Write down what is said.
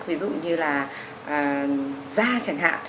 ví dụ như là da chẳng hạn